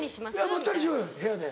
まったりしようよ部屋で。